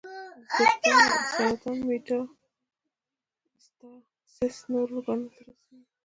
د سرطان میټاسټاسس نورو ارګانونو ته رسېږي.